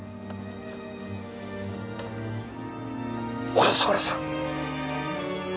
小笠原さん！